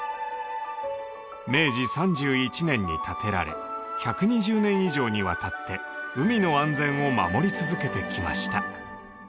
明治３１年に建てられ１２０年以上にわたって海の安全を守り続けてきました。